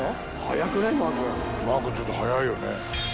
マー君ちょっと早いよね。